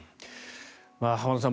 浜田さん